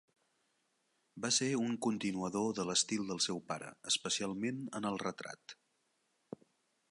Va ser un continuador de l'estil del seu pare, especialment en el retrat.